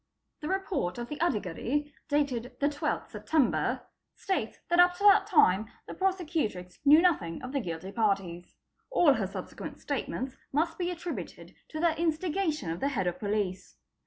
: 'The report of the Adigary, dated the 12th September, states that up to that time the prosecutrix knew nothing of the guilty parties. All her subsequent statements must be attributed to the instigation of the Head of Police.